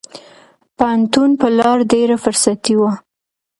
پوهنتون په لار ډېره فرصتي وه.